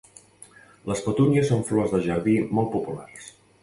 Les petúnies són flors de jardí molt populars.